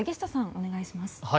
お願いします。